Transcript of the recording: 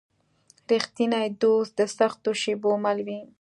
رښتینی دوست د سختو شېبو مل وي.